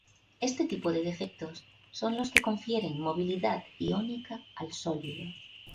Este tipo de defectos son los que confieren movilidad iónica al sólido.